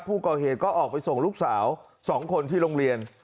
ผู้ก่อเหตุก็ออกไปส่งลูกสาว๒คนที่โรงเรียน